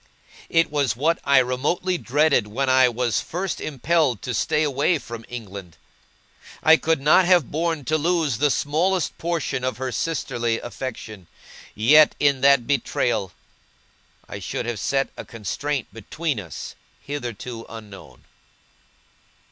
It was what I remotely dreaded when I was first impelled to stay away from England. I could not have borne to lose the smallest portion of her sisterly affection; yet, in that betrayal, I should have set a constraint between us hitherto unknown.